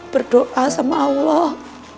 berdoa sama allah